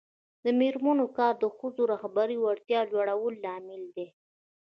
د میرمنو کار د ښځو رهبري وړتیا لوړولو لامل دی.